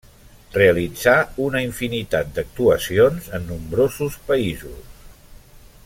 Realitzà una infinitat d'actuacions en nombrosos països.